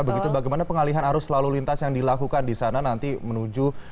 begitu bagaimana pengalihan arus lalu lintas yang dilakukan di sana nanti menuju